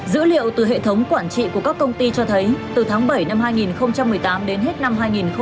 dữ liệu từ hệ thống quản trị của các công ty cho thấy từ tháng bảy năm hai nghìn một mươi tám đến hết năm hai nghìn một mươi chín